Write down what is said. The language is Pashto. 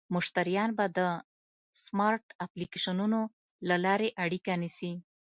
مشتریان به د سمارټ اپلیکیشنونو له لارې اړیکه نیسي.